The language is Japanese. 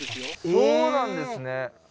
そうなんですね